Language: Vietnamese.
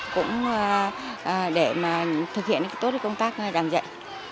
cũng để thực hiện tốt công tác làm dạy